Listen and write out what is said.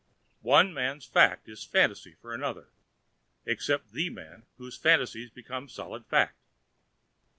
] One man's fact is fantasy for another except the man whose fantasies become solid facts!